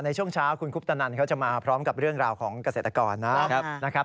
ในช่วงเช้าคุณคุปตนันเขาจะมาพร้อมกับเรื่องราวของเกษตรกรนะครับ